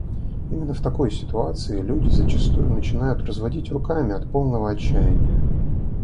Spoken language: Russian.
Именно в такой ситуации люди зачастую начинают разводить руками от полного отчаяния.